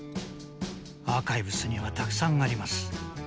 アーカイブスにはたくさんあります。